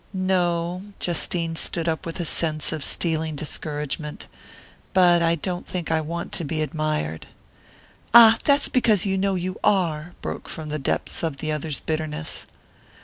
"No." Justine stood up with a sense of stealing discouragement. "But I don't think I want to be admired " "Ah, that's because you know you are!" broke from the depths of the other's bitterness.